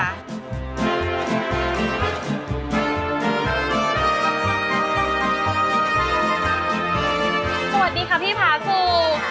สวัสดีค่ะพี่พาครู